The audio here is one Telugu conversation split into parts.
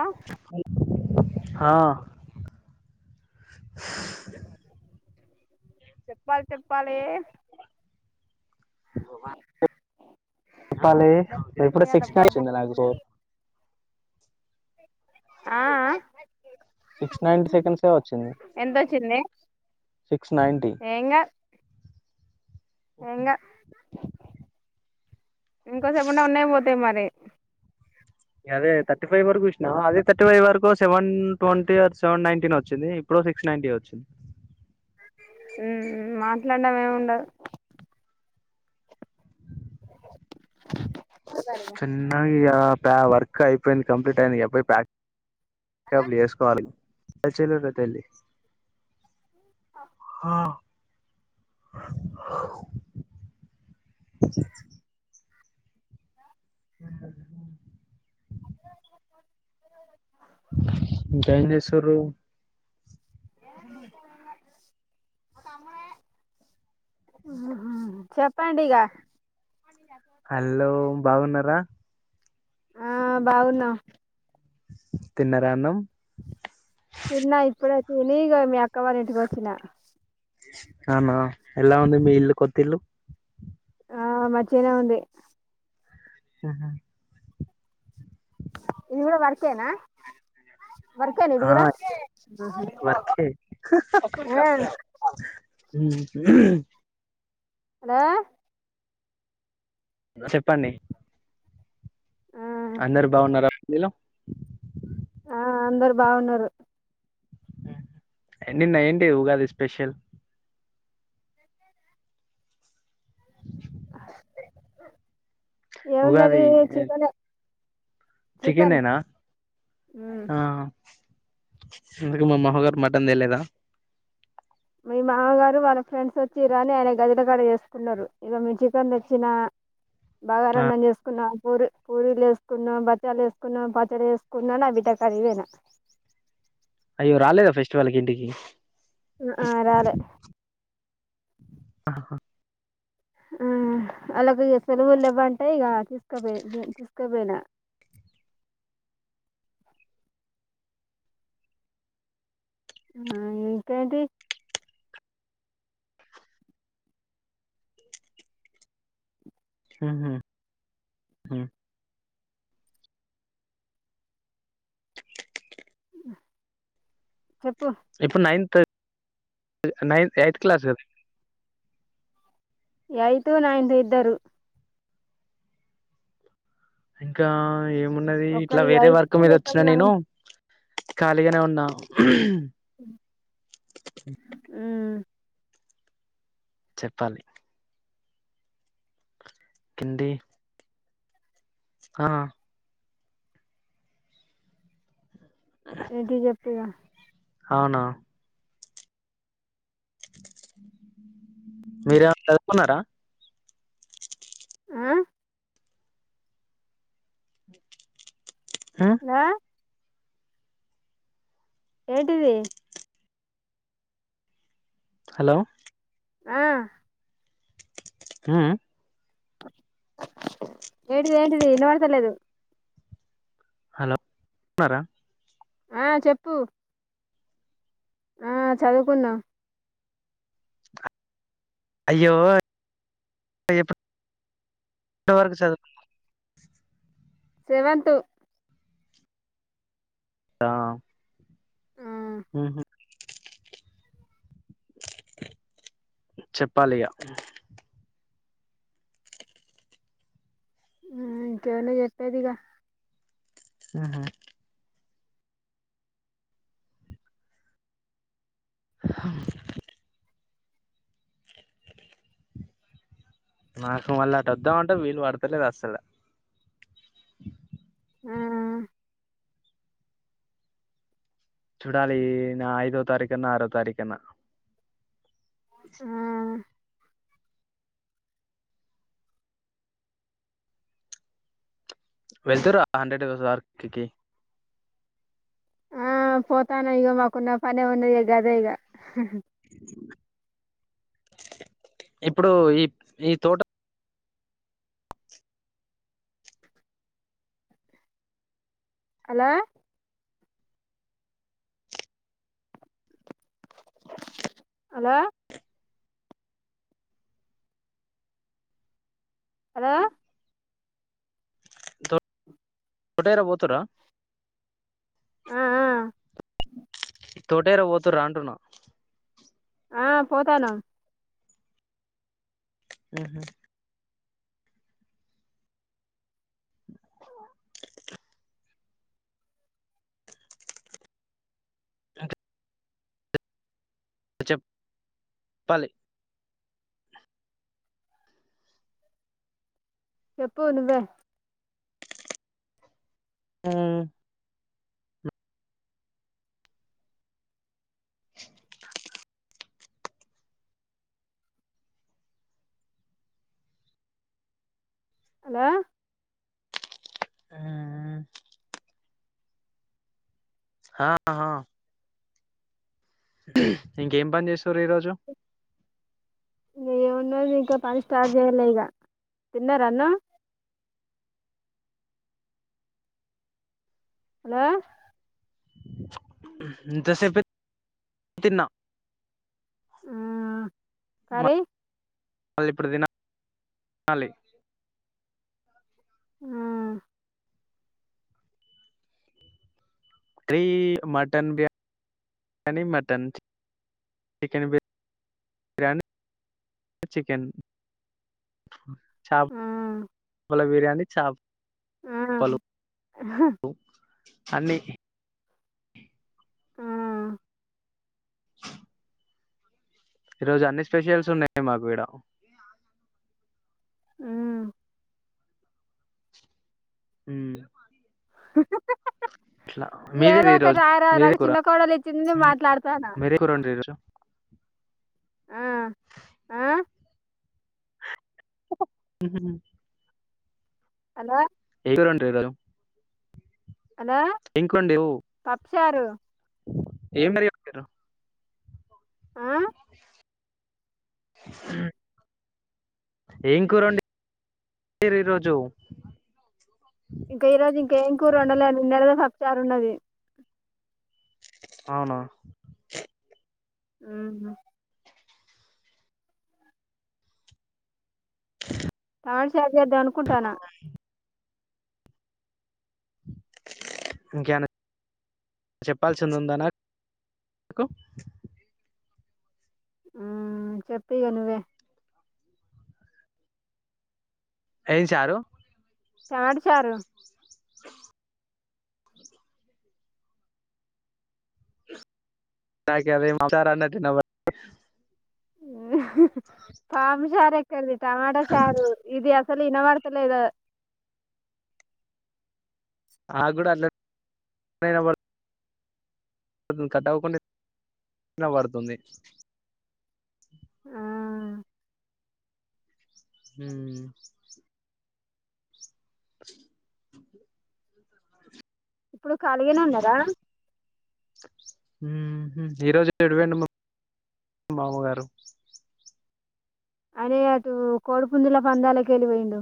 ఆ ఆ చెప్పాలి చెప్పాలి అ ఆ చెప్పాలి ఎప్పుడు శిస్ణ వచ్చింది నాకు అ ఆ సిక్స్ నైటీ సెకండ్స్ ఏ వచ్చింది ఎంతొచ్చింది సిక్స్ నైటి ఎంగ ఇంకో చెప్పండా ఉన్నాయి పోతాయి మరి అదే థర్టీ ఫైవ్ వరకు ఇచ్చినా అదే ర్టీ ఫైవ్ వరకు సెవెన్ ట్వంటీ సెవెన్ నైన్టీన్ వచ్చింది ఇప్పుడు సిక్స్ నైన్టీ వచ్చింది ఉ మాట్లాడడంం ఏమి ఉండదు చెన్నై వర్క్ అయిపోయింది కంప్లీట్ అయింది ఎబ్బయిక్ కవలిసుకోవాల అ చెలదలి ఆ ఆ జనేశ్వర అ చెప్పండి ఇక హలో బాగున్నారా ఆ బావున్నాం తిన్నరా అన్నం తిన్నా ఇప్పుడే తిని ఇక మీ అక్కవాళ్ళింటికి వచ్చిన అవునా ఎలా ఉంది మీ ఇల్లు కొత్తిల్లు ఆ మంచిగనే ఉంది అహ ఇది కూడా వర్కేనా వర్కేనా ఇది ఆ కూడా వర్కే ఆ హ్మ్ హలో చెప్పండి నీలో ఆ అందరు బాగున్నారు ఏం తిన్నా ఏంటి ఉగాది స్పెషల్ ఏమున్నది ఉగాది చికెనే చికెనేనా ఆ ఎందుకు మా మామగారు మటన్ తేలేదా మీ మామగారు వాళ్ళ ఫ్రెండ్స్ వచ్చి రాని ఆయన గదిలకాడ చేసుకున్నారు ఇక మీ చికెన్ తెచ్చిన బాగా ఆ రన్నం చేసుకున్నా పూరి పూరీలు వేసుకున్నాం బచ్చాలు వేసుకున్నాం పచ్చడి వేసుకున్నా నా నా బిడ్డ కరవేనా అయ్యో రాలేదా ఫెస్టివల్ క ఇంటికి ఆ రాలే ఆహా ఆ అలాగ సలవుల్ల బా అంటా ఈగ తీస్కబ బ తీస్కబేనా ఆ ఇంతేంటి హ ఆ ఇప్పు నైన్త్ నైన్ ఎయిత్ క్లాస్ యితూ నాయందు ఇద్దరు ఇంకా ఏ ఉన్నది ఇట్లా ఒకళ్ళు వేరే ఎయిత్ వర్క్ మీద వచ్చిన ఒకళ్ళు నేను నైన్త్ ఖాళీగానే ఉన్నాం ఉ చెప్పాలి కిడి ఆ ఇ జప్పగా అవునా మీరేమ చదుకున్నారా ఆ ఉమ్, ఆ ఏడువి హలో ఆ హ ఏంటిది ఏంటిది నోడతలే అదు హలోన్నారా ఆ చెప్పు ఆ చదువుకున్నా అయ్యోప్పు ఎప్పటివరకు చదువు సెవెన్తు తా ఆ చెప్పాలియా ఇంకవళ చెప్పేదిగా ఆహా అ నాకు మళ్ళీ అటు వద్దాం అంటే వీలుు పడతలేదు అసలు ఆ చూడాలి నా ఐదో తారీఖన్న ఆరో తారీఖన్నా ఆ వెళ్తరు హండ్రెడ్ వర్క్ ఆ పోతానా ఇగ మాకున్న పనే ఒన్న ఎగ అదే ఇగ ఇప్పుడు ఈ తోట అలా హలో హలో తటరా బతురా ఆ తోటేరా పోతు రాంటున్నా ఆ పోతాను ఆహ అ వచ్చ పల చెప్పు ను్వ ఆ హలా ఆ హాహా ఇంకేం పని చేస్తారు ఈరోజు ఇ ఏమున్నాది ఇంకా పని స్టార్ట్ చేయలేక తిన్నారా అన్న హలో ఇంతసేపే తిన్నా ఆ కరీ మళ్ళిప్పుడు తిన ఆలి ఆ త్రీ మటన్ బిర్యానీ మటన్, చి చికెన్ బిర్యానీ చికెన్. చాప్ ఆ పల బిర్యానీ డి చాబ్ ఆ ఉ అండి ఆ ఈ రోజు అన్ని స్పెషల్స్ ఉన్నాయి మాకు ఈడ మ్ హు మ్ ఇట్లా ఏదో మీదేది ఒకటి ఈరోజు ఆార నాకు మీదే కూర చిన్న కోడలు ఇచ్చింది, మాట్లాడతానా మీరే కూర వండిర్రు ఆ ఆ. హలో టే రెంట్ ఈ రో ఇంకోండి ఓ చ్చారు ఏం మరి ప్తర్ర ఆ ఏం కూర [inaudible] అండిమీరు ఈ రోజు ఇంక ఈ రోజు ఇం కేం కూర వొండలే నిన్నడిదే పప్పు చారు ఉన్నది అవునా ఆహ తాటశారు జెద్దా అనుకుంటన్న ఇంకెమన్నా చెప్పాల్సింది ఉందా నాకు ఊ చెప్పుఇగా నువ్వే ఏం చారు తాటచారు ఐ అర అన్నట్టు నవ్వ ఉహ్ తామీషారిక్ తెలీద్ టమాట శారు ఇది అ అస్సలు ఇనబడతలేదు నా క్కూడా అట్లనే ఇనపడుత కొంచెం కట్ అవ్వుకుంట ఇనపడుతుంది ఆ హుమ్ ఇప్పుడు ఖాళీగనే ఉన్నారా ఉహూ ఈ రోజు ఎటువోయిండు మ్మ మామగారు అనే అటు కోడిపుందుల పందాలకి ఎళ్ళిపోయిండు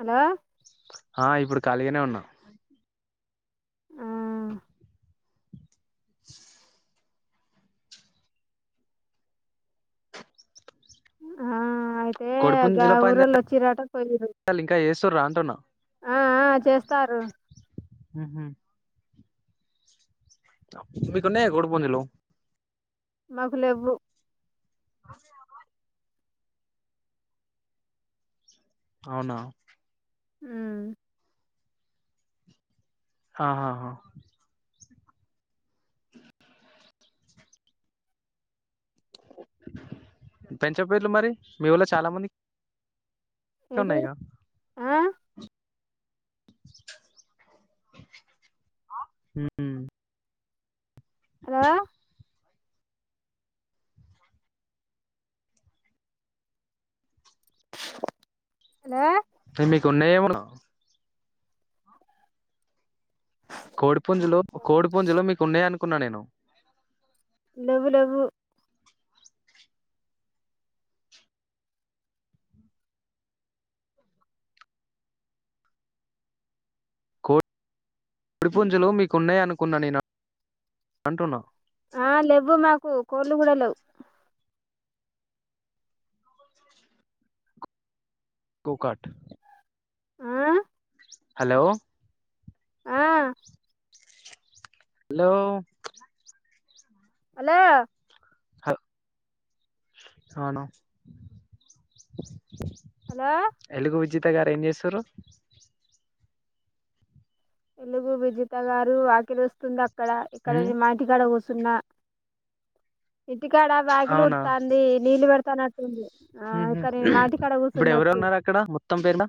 అలో ఆ ఇప్పుడు ఖాళీగానే ఉన్నా ఆ ఆ అయితే గా కొడిపుంజుల ఊరోళ్ళు పందాలు వొచ్చిరట పోయిరు టున్న ఆ ఆ చేస్తారు మీకు ఉన్నాయ కోడి పుంజులు మాకు లెవ్వు [inaudible] అవునా ఊ ఆహా హ పెంచ పేర్లు మరి మీఊర్లో చాలా మంది తున్నాయ్ ఏంటిది గా ఆ ఆ అలో హలో టే మీకున్నా ఇవ్వను. కోడి పుంజులు కోడి పుంజులు మీకు ఉన్నాయన్. కున్నా నేను లెవ్వు లెవ్వు కో డిపుంజులు మీకున్నాయ్ అనుకున్నా నేన అంటున్నా ఆహ్ లెవ్వు మాకు. కోళ్ళు గుడ లెవ్ కోకాట్ ఆ హలో ఆహ్ అలో అలో హల్ ఆనొ హలో ఎలుగు విజిత్ త్త గారు ఏం చేస్తుర్రు ఎలుగు విజిత గారు వాకిలు వస్తుంద ఇక్కడ ఇక్కడ ఉమ్, ఇది మా ఇంటికాడ కు సున్నా ఇ త్ టికాడ వేగిలూడుతాంది నీళ్ళు వేడ్తానడ్ మ్మ్ హు ఇప్పుడు కూర్చున్నా వచ్చి ఎవరున్నారక్కడ మొత్తం పేట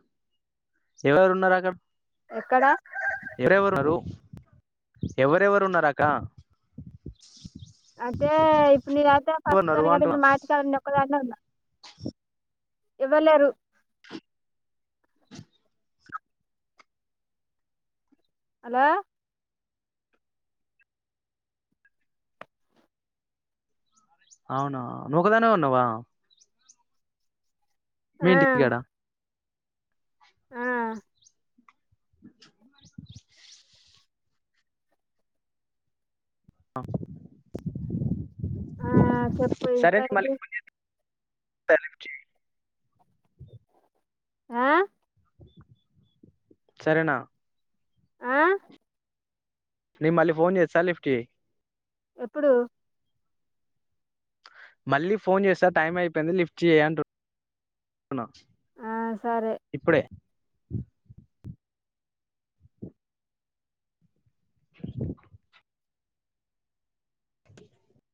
ఎవరున్నారక్కడ్ ఎక్కడ ఎవరెవరు ఎవరెవరున్నారక అంటే ఇప్పుడు నేనయితే ఎవరున్నారు ప్రస్తుతానికి అయితే అంటున్నా ఇప్పుడు మా ఇంటి కాడా నేను ఒక్కదాన్నే ఉన్నా ఎవ్వర్ లేరు [unintelligible] హలో అవునా నూ ఒకదానే ఉన్నవ ఆ మీ ఇంటి గాడ ఆ [unintelligible] అవ్ ఆ చెప్పు ఇంక ఇది తలేపిచి ఆ శరణ ఆ నేన్ మళ్ళీ ఫోన్ చేస్తా లిఫ్ట్ చేయి ఎప్పుడు మళ్ళీ ఫోన్ చేస్తా టైం అయిపోయింది లిఫ్ట్ చేయి అంటున్ న ఆ సరే ఇప్పుడే [unintelligible] [unintelligible]